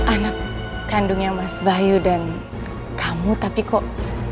anak kandungnya mas bayu dan kamu tapi kok